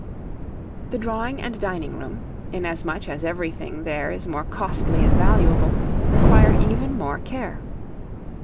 The drawing and dining room, inasmuch as everything there is more costly and valuable, require even more care.